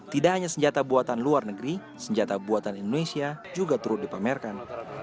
tidak hanya senjata buatan luar negeri senjata buatan indonesia juga turut dipamerkan